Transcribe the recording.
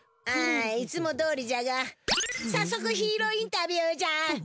ああいつもどおりじゃがさっそくヒーローインタビューじゃ！